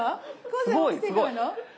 すごいすごい。